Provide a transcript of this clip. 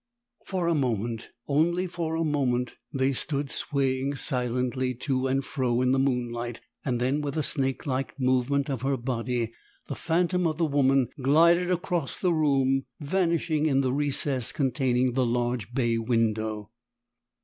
For a moment, only for a moment, they stood swaying silently to and fro in the moonlight, and then with a snakelike movement of her body the phantom of the woman glided across the room, vanishing in the recess containing the large bay window.